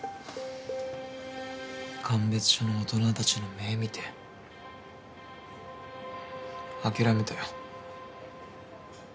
鑑別所の大人たちの目見て諦めたよ。